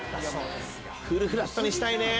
フルフラットにしたいね！